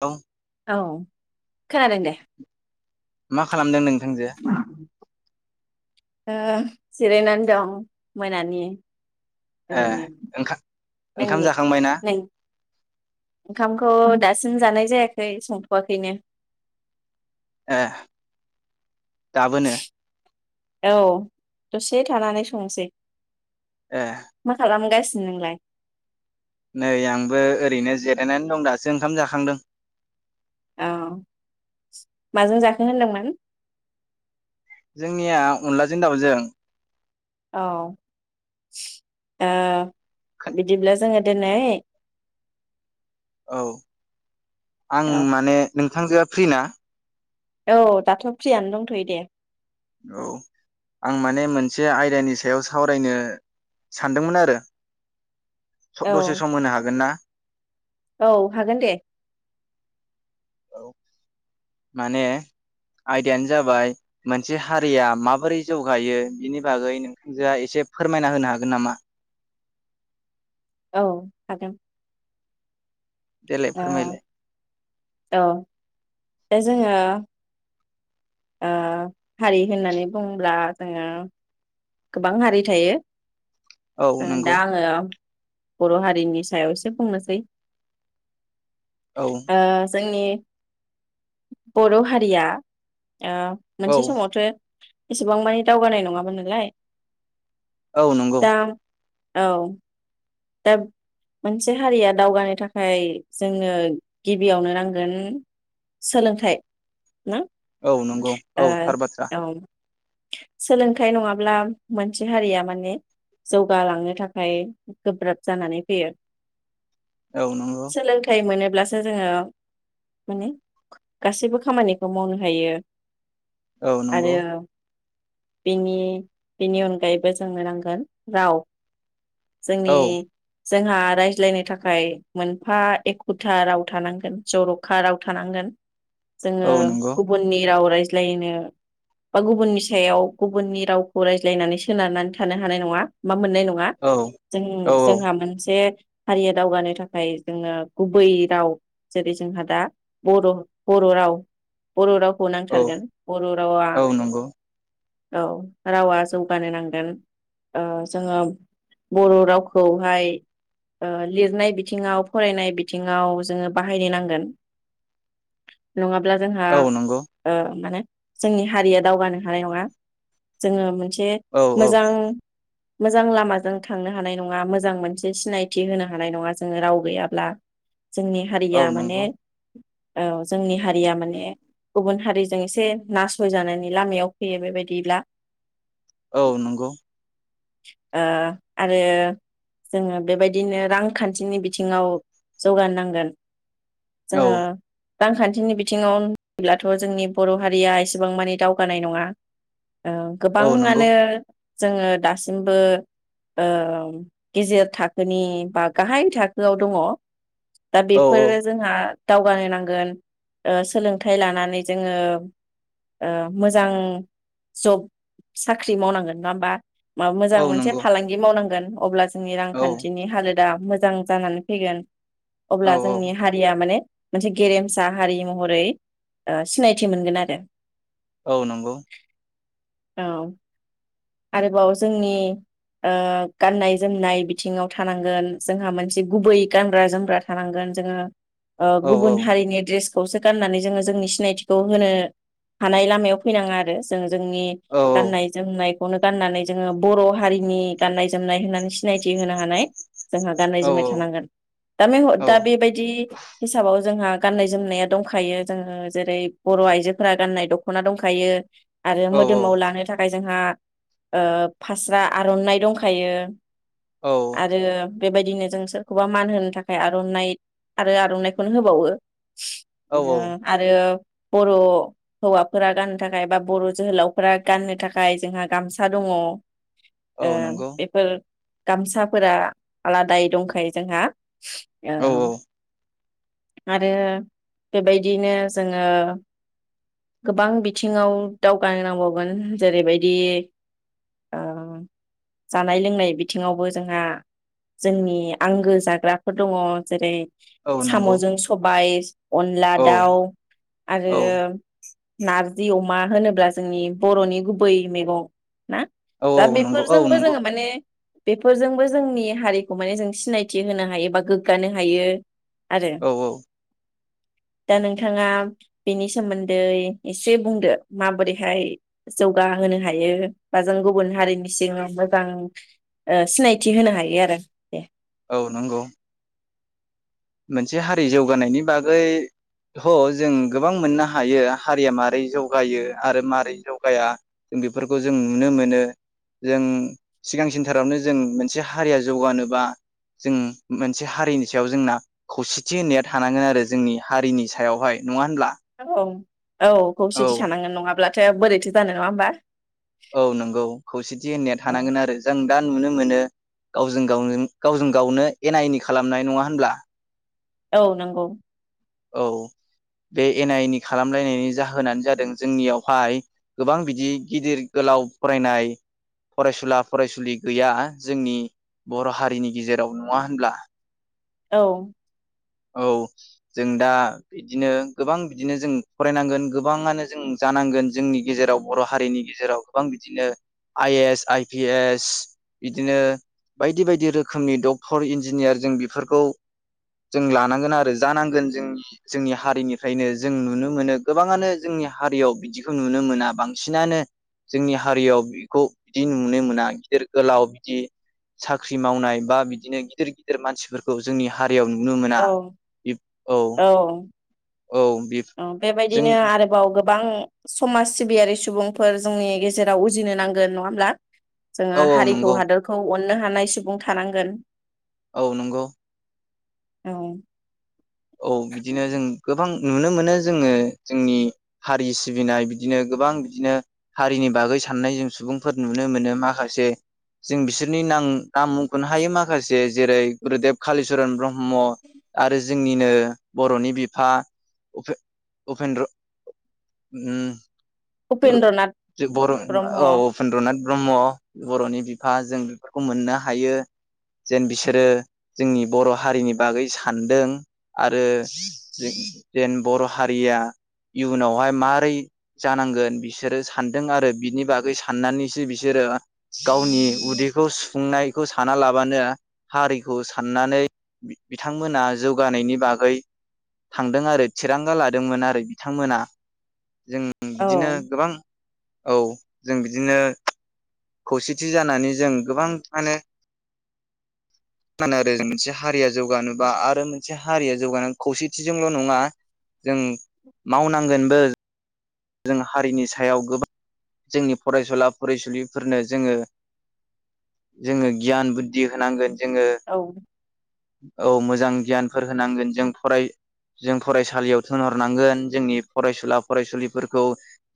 औ। औ खोनादों दे। मा खालामदों नों थांजोआ ओ जिरायनानै दं मोनानि। ए [unintelligible] ओंखा ओंखाम जाखांबायना बांसिन जानाय जायाखै संथ'वाखैनो। ए दाबोनो। औ दसे थानानै संसै। ए मा खालामगास नोंलाय। नै आंबो ओरैनो जिरायनानै दं दासो ओंखाम जाखांदों। औ माजों जाखो होनदोंमोन? जोंनिया अनलाजों दाउजों। औ ओं। बिदिब्ला जोङो दोनै औ आं औ माने । नोंथांजोआ फ्रिना। औ दाथ' फ्रियानो दंथ'यो दे। औ आं माने मोनसे आयदानि सायाव सावरायनो सानदोंमोन आरो औ दसे सम होनो हागोन ना? औ हागोन दे। औ माने आयदायानो जाबाय मोनसे हारिया माबोरै जौगायो बिनि बागै नोंथांजोआ एसे फोरमायना होनो हागोन नामा? औ हागोन देलाय ओ फोरमायलाय औ दा जोङो हारि होननानै बुङोब्ला जोङो गोबां हारि थायो औ ए दा नंगौ आङो बर' हारिनि सायाव एसे बुंनोसै औ ओ जोंनि बर' हारिया औ मोनसे समावथो एसेबां मानिे दावगानाय नङामोन नोंलाय औ नंगौ औ दा मोनसे हारिया दावगानो थाखाय जोंनो गिबियावनो नांगोन सोलोंथाइ ना औ नंगौ ओ औ थार बाथ्रा औ सोलोंथाइ नङाब्ला मोनसे हारिया माने जौगालांनो थाखाय गोब्राब जानानै फैयो औ नंगौ सोलोंथाइ मोनो ब्लासो जोङो माने गासैबो खामानिखौ मावनो हायो औ नंगौ बिनि बिनि अनगायैबो जोंनो नांगोन राव औ जोंनि जोंहा रायज्लायनो थाखाय मोनफा एखुथा राव थानांगोन जर'खा राव थानांगोन जोङो औ नंगौ गुबुननि राव रायज ज्लायनो बा गुबुननि सायाव गुबुननि राव खौ रायज्लायनानै सोनारनानै थानो हानाय नङा मा मोननाय नङा औ जों औ जोंहा मोनसे हारिया दावगानो थाखाय जोङो गुबै राव जेरै जोंहा दा बर' राव बर' रावखौ औ नांथारगोन बर' रावा औ नंगौ औ रावा जौगानो नांगोन ओ जोङो बर' रावखौहाय लिरनाय बिथिङाव फरायनाय बिथिङाव जोङो बाहायनो नांगोन नङा ब्ला जोंहा औ नंगौ माने जोंनि हारिया दावगानो हानाय नङा। जोङो मोनसे जे औ औ मोजां मोजां लामाजों थांनो हानाय नङा मोजां मोनसे सिनायथि होनो हानाय नङा जोङो राव गैयाब्ला। जोंनि औ हारिया माने नंगौ औ जोंनि हारिया माने गुबुन हारिजों एसे नासय जानायनि लामायाव फैयो बेबायदिब्ला औ नंगौ ओ आरो जोङो बेबायदिनो रांखान्थिनि बिथिङाव जौगा नांगोन। औ जोङो रांखान्थिनि बिथिङाव ब्लाथ' जोंनि बर' हारिया एसेबां मानि दावगानाय नङा। औ नंगौ गोबाङानो जोङो दासिमबो ओ गेजेर थाखोनि बा गाहाय थाखोआव दङ। दा औ बेफोरो जोंहा दावगानो नांगोन सोलोंथाइ लानानै जोङो मोजां जब साख्रि मावनांगोन नङा होमबा? माबा मोजां औ मोनसे नंगौ औ फालांगि मावनांगोन। अब्लासो जोंनि रांखान्थिनि हालोद दा मोजां जानानै फैगोन। अब्ला औ औ जोंनि हारिया माने मोनसे गेरेमसा हारि महरै ओ सिनायथि मोनगोन आरो। औ नंगौ। औ आरोबाव जोंनि ओ गाननाय जोमनाय बिथिङाव थानांगोन जोंहा मोनसे गुबै गानग्रा जोमग्रा थानांगोन जोङो औ गुबुन हारिनि ड्रेस खौसो गाननानै जोङो जोंनि सिनायथिखौ होनो हानाय लामायाव फैनाङा आरो जों जोंनि औ गाननाय जोमनाय खौनो गाननानै जोङो बर' हारिनि गाननाय जोमनाय होननानै सिनायथि होनो हानाय जोंहा गाननाय औ जोमनाय थानांगोन दा औ दा बेबायदि हिसाबाव जोंहा गाननाय जोमनाया दंखायो जोङो जेरै बर' आइजोफोरा गाननाय दख'ना दंखायो आरो औ मोदोमाव लानो थाखाय जोंहा फास्रा ओ आर'नाइ दंखायो नंगौ औ आरो बेबायदिनो जों सोरखौबा मान होनो थाखाय आर'नाइ आरो आर'नाइखौनो होबावो औ आरो बर' हौवाफोरा गाननो थाखाय बा बर' जोहोलावफोरा गाननो थाखाय जोंहा गामसा दङ। ओ औ नंगौ बेफोर गामसाफोरा आलादायै दंखायो जोंहा। ओ ओम औ औ आरो बेबायदिनो जोंङो गोबां बिथिंङाव दावगा नांबावगोन जेरैबायदि ओ जानाय लोंनाय बिथिंङावबो जोंहा जोंनि आंगो जाग्राफोर दंङ जेरै औ नंगौ साम'जों सबाय अनला दाउ आरो नारजि अमा होनोब्ला जोंनि बर'नि गुबै मैगं ना? औ दा बेफोरजोंबो नंगौ जोंङो माने बेफोरजोंबो जोंनि हारिखौ माने जों सिनायथि होनो हायो बा गोग्गानो हायो। आरो औ औ दा नोंथांङा बेनि सोमोन्दै एसे बुंदो माबोरैहाय जौगाहोनो हायो बा जों गुबुन हारिनि सिंआव मोजां ओ सिनायथि होनो हायो आरो दे औ नंगौ। मोनसे हारि जौगानायनि बागै ह जों गोबां मोननो हायो हारिया मारै जौगायो आरो मारै जौगाया जों बेफोरखौ जों नुनो मोनो जों सिगां सिनथारावनो जों मोनसे हारिया जौगानोबा जों मोनसे हारिनि सायाव जोंना खौसेथि होननाया थानांगोन आरो जोंनि हारिनि सायावहाय नंङा औ औ खौसेथि थानांगोन नंङाब्ला थाया बोरैथो जानो नंङा होमबा? औ नंगौ खौसेथि होनाया औ थानांगोन आरो जों दा नुनो मोनो गावजों गाव गावजों गावनो एना एनि खालामनाय नंङा होनब्ला? औ नंगौ। औ बे एना एनि खालामलायनायनि जाहोनानो जादों जोंनियावहाय गोबां बिदि गिदिर गोलाव फरायनाय फरायसुला फरायसुलि गैया जोंनि बर' हारिनि गेजेराव नंङा होनब्ला? औ औ जों दा बिदिनो गोबां बिदिनो जों फरायनांगोन गोबांङानो जों जानांगोन जोंनि गेजेराव बर' हारिनि गेजेराव गोबां बिदिनो I A S, I P S बिदिनो बायदि बायदि रोखोमनि डक्टर, इन्जिनियार जों बेफोरखौ जों लानांगोन आरो जानांगोन जों जोंनि हारिनिफ्रायनो जों नुनो मोनो गोबांङानो जोंनि हारियाव बिदिखौ नुनो मोना बांसिनानो जोंनि हारियाव बिखौ बिदि नुनो मोना गिदिर गोलाव बिदि साख्रि मावनाय बा बि दिनो गिदिर गिदिर मानसिफोरखौ जोंनि हारियाव नु नु मोना औ औ औ बे ओ जों बेबायदिनो आरोबाव गोबां समाज सिबियारि सुबुंफोर जोंनि गेजेराव उजिनो नांगोन नंङा होमब्ला? औ जोंङो औ हारिखौ नंगौ हादरखौ अननो थानाय सुबुं थानांगोन। औ नंगौ। ओं औ बिदिनो जों गोबां नुनो मोनो जोंङो जोंनि हारि सिबिनाय बिदिनो गोबां बिदिनो हारिनि बागै साननाय जों सुबुंफोर नुनो मोनो माखासे जों बिसोरनि नां नाम मुख'नो हायो माखासे जेरै गुरुदेब कालिचरन ब्रह्म आरो जोंनिनो बर'नि बिफा उपे-उपेन्द्र उम उपेन्द्रनाथ जि बर' औ उपेन्द्रनाथ ब्रह्म बर'नि बिफा जों बेफोरखौ मोननो हायो जेन बिसोरो जोंनि बर' हारिनि बागै सानदों आरो जेन बर' हारिया इयुनावहाय माबारै जानांगोन। बिसोरो सानदों आरो बिनि बागै साननानैसो बिसोरो गावनि उदैखौ सुफुंनायखौ साना लाबानो हारिखौ साननानै बिथांमोना जौगानायनि बागै थांदों आरो थिरांगा लादोंमोन आरो बिथांमोना जों बिदिनो औ जों बिदिनो खौसेथि जानानै जों गोबां माने आरो जों मोनसे हारिया जौगानोबा आरो मोनसे हारिया जौगानाय खौसेथिजोंल नङा जों मावनांगोनबो जों हारिनि सायाव गोबां जोंनि फरायसुला फरायसुलिफोरनो जोङो जोङो गियान बुद्धि होनांगोन जोङो औ औ मोजां गियानफोर होनांगोन जों फराय जों फरायसालियाव थिनहरनांगोन जोंनि फरायसुला फरायसुलि फोरखौ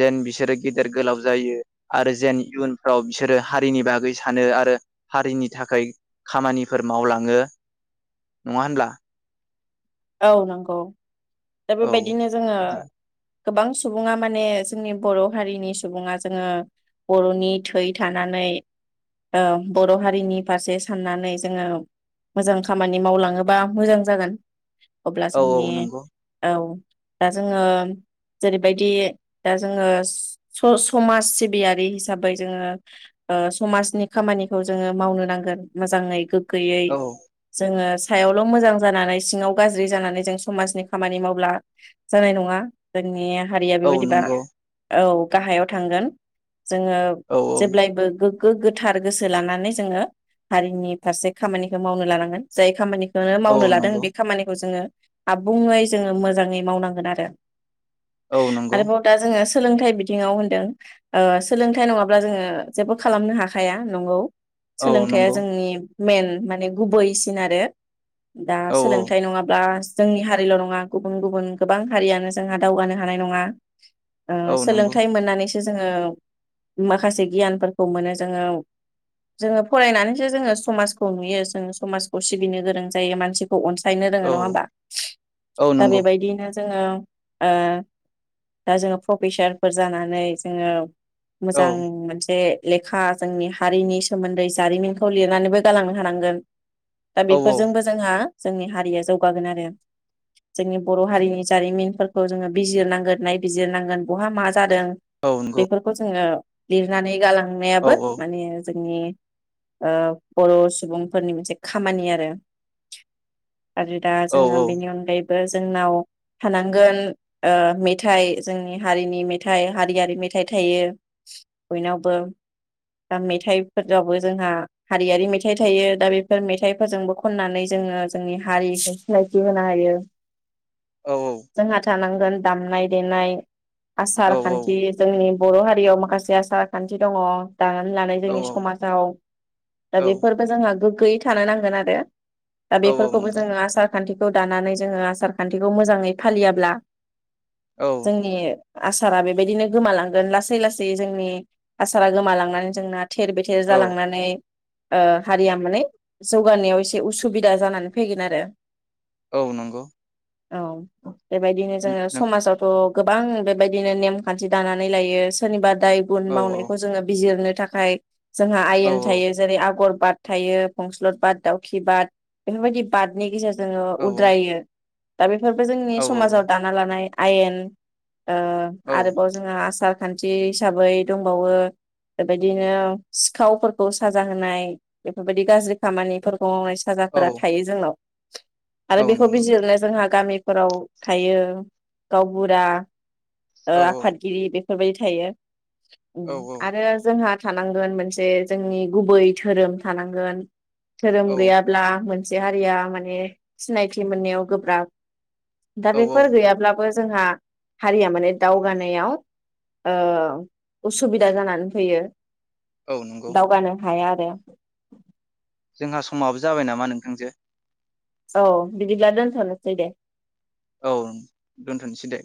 जेन बिसोरो गेदेर गोलाव जायो आरो जेन इयुनफ्राव बिसोरो हारिनि बागै सानो आरो हारिनि थाखाय खामानिफोर मावलाङो नङा होनब्ला औ नंगौ दा औ बेबायदिनो जोङो गोबां सुबुङा माने जोंनि बर' हारिनि सुबुङा जोङो बर'नि थै थानानै बर' हारिनि फारसे साननानै जोङो मोजां खामानि मावलाङोबा मोजां जागोन [unintelligible] अब्ला औ जोंनि औ नंगौ औ दा जोङो जेरैबायदि दा जोङो समाज सिबियारि हिसाबै जोङो समाजनि खामानिखौ जोङो मावनो नांगोन मोजाङै गैयै औ जोङो सायावल मोजां जानानै सिङाव गाज्रि जानानै जों समाजनि खामानि मावब्ला जानाय नङा जोंनि हारिया औ बेबायदिबा नंगौ औ गाहायाव थांगोन जोङो औ जेब्लायबो गोथार गोसो लानानै जोङो हारिनि फारसे खामानिखौ मावनो लानांगोन जाय खामानिखौ बेनो औ मावनो लादों नंगौ बे खानिखौ जोङो आबुङै जोङो मोजाङै मावनांगोन आरो औ नंगौ आरोबाव दा जोङो सोलोंथाइ बिथिङाव होनदों सोलोंथाइ नङाब्ला जोङो जेबो खालामनो हाखाया नंगौ औ सोलोंथाइया नंगौ जोंनि मेन माने गुबैसिन आरो दा औ सोलों औ नङाब्ला जोंनि हारिल नङा गुबुन गुबुन गोबां हारियानो जोंहा दावगानो हानाय नङा औ नंगौ सोलोंथाइ मोननानै जोङो माखासे गियानफोरखौ मोनो जोङो जोङो फरायनानैसो जोङो समाजखौ नुयो जों समाजखौ सिबिनो गोरों जायो मानसिखौ गायनो रोङो औ नङा होमबा औ दा नंगौ बेबायदिनो जोङो ओ दा जोङो प्रफेसारफोर जानानै जोङो औ मोजां मोनसे लेखा जोंनि हारिनि सोमोन्दै जारिमिनखौ लिरनानैबो गालांनो हानांगोन दा औ बेफोरजोंबो जोंहा जोंनि हारिया जौगागोन आरो जोंनि बर हारिनि जारिमिनफोरखौ जोङो बिजिरनांगोन नायबिजिरनांगोन बहा मा जादों औ नंगौ बेफोरखौ जोंङो लिर नानै गालां औ नायाबो औ माने जोंनि ओ बर सुबुंफोरनि मोनसे खामानि आरो आरो दा औ जोंङो बेनि अनगायै बो जोंनाव थानांगोन ओ मेथाइ जोंनि हारिनि मेथाइ हारियारि मेथाइ थायो बयनावबो दा मेथाइफोरावबो जोंहा हारियारि मेथाइ थायो दा बेफोर मेथाइफोरजोंबो खननानै जोंङो जोंनि हारिखौ सिनायथि होनो हायो। औ जोंहा थानां दामनाय देनाय आसार खान्थि जोंनि बर हारियाव माखासे आसार खान्थि दङ। दानानै लानाय जोंनि समाजाव दा औ बेफोरबो जोंहा गो यै थानो नांगोन आरो दा औ बेफोरखौबो नंगौ जोंङो आसाार खान्थिखौ दानानै जोंङो आसार खान्थिखौ मोजांङै फालियाब्ला औ जोंनि आसारा बेबायदिनो गोमालांगोन लासै लासै जोंनि आसारा गोमालांनानै जोंना थेर बेथेर औ जालांनानै ओ हारिया माने जौगानायाव एसे उसु बिदा जानानै फैगोन आरो औ नंगौ औ बेबायदिनो जोंङो नों समाजावथ गोबां बेबायदिनो नेमखान्थि दानानै लायो सोरनिबा दाय गुन औ मावनायखौ जोंङो बिजिरनो थाखाय जोंहा औ आयेन थायो जेरै आगर बाद थायो फंस्लद बाद दाउखि बाद बेफोरबायदि बादनि गजे जोंङो औ उद्रायो। दा बेफोरबो जोंनि औ औ नंगौ समाजाव दाना लानाय आयेन ओ औ आरोबाव जोंङा आसार खान्थि हिसाबै दंबावो बेबायदिनो सिखावफोरखौ साजा होनाय बेफोरबायदि गाज्रि खामानिफोरखौ मावनाय सा औ फोरा थायो जोंनाव आरो बेखौ बिजिरनो जोंहा गामि फोराव थायो गावबुरा ओ आफादगिरि बे बेफोरबायदि थायो। आरो जोंहा थानांगोन मोनसे जोंनि गुबै धोरोम थानांगोन। धोरोम औ गैयाब्ला मोनसे हारिया माने सिनायथि मोननायाव गोब्राब दाबेफोर गैब्लाबो जोंहा हारिया माने दावगानायाव ओ उसुबिदा जानानै फैयो। औ नंगौ दावगानो हाया। [unintelligible] जोंहा समाबो जाबाय नामा नोंथांजो? औ बिदिब्ला दोनथ'नोसै दे। औ दोनथ'नोसै दे।